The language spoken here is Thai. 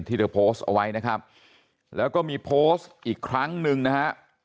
เธอโพสต์เอาไว้นะครับแล้วก็มีโพสต์อีกครั้งหนึ่งนะฮะ